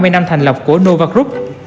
ba mươi năm thành lập của nova group